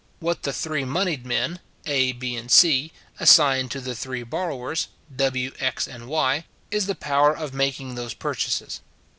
What the three monied men, A, B, and C, assigned to the three borrowers, W, X, and Y, is the power of making those purchases.